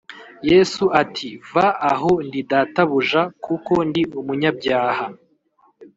Yesu ati Va aho ndi Databuja kuko ndi umunyabyaha